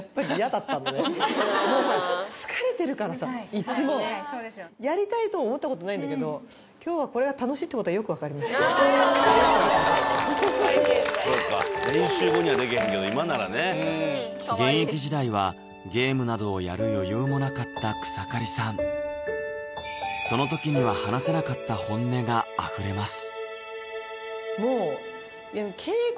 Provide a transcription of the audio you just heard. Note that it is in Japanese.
いっつもやりたいと思ったことないんだけど今日はこれがそっか練習後にはでけへんけど今ならね現役時代はゲームなどをやる余裕もなかった草刈さんその時には話せなかった本音があふれます